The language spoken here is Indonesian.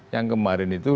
yang kemarin itu